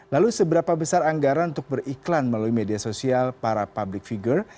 lalu seberapa besar anggaran untuk beriklan melalui media sosial para public figure